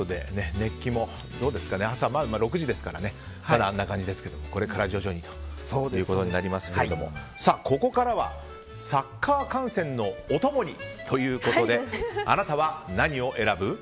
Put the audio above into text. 向こうはまだ朝６時ですからまだあんな感じですけどもこれから徐々にとなりますけどここからはサッカー観戦のお供にということであなたは何を選ぶ？